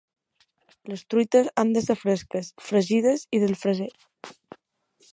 Les truites han de ser fresques, fregides i del Freser.